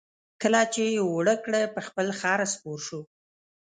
کله چې یې اوړه کړه په خپل خر سپور شو.